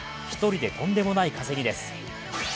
１人でとんでもない稼ぎです。